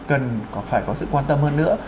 cần phải có sự quan tâm hơn nữa